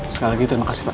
sekali lagi terima kasih pak